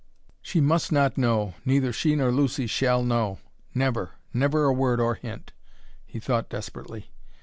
"She must not know neither she nor Lucy shall know never never a word or hint," he thought desperately.